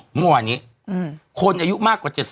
มั่วนี้คนอายุมากกว่า๗๐